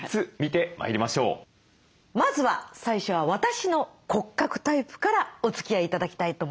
まずは最初は私の骨格タイプからおつきあい頂きたいと思います。